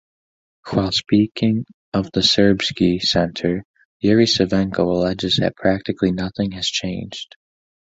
While speaking of the Serbsky Center, Yuri Savenko alleges that practically nothing has changed.